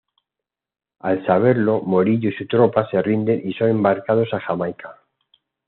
Al saberlo, Morillo y su tropa se rinden y son embarcados a Jamaica.